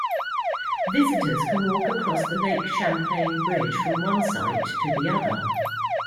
Visitors can walk across the Lake Champlain Bridge from one site to the other.